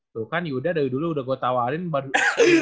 tuh kan yaudah dari dulu udah gue tawarin baru